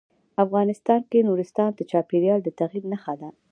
افغانستان کې نورستان د چاپېریال د تغیر نښه ده.